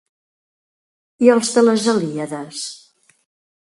I els de les Helíades?